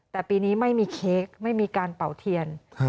แต่ปีนี้ไม่มีเค้กไม่มีการเป่าเทียน